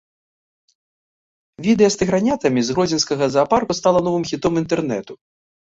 Відэа з тыгранятамі з гродзенскага заапарку стала новым хітом інтэрнэту.